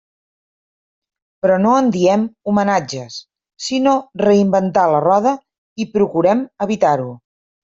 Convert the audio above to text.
Però no en diem “homenatges”, sinó “reinventar la roda” i procurem evitar-ho.